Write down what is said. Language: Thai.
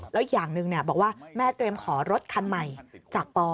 แล้วอีกอย่างหนึ่งบอกว่าแม่เตรียมขอรถคันใหม่จากป